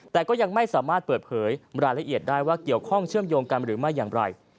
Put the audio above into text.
แต่ก็ยังไม่สามารถเปิดเผยรายละเอียดได้ว่าเกี่ยวข้องเชื่อมโยงกันหรือไม่อย่างไร